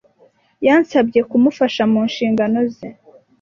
Yansabye kumufasha mu nshingano ze.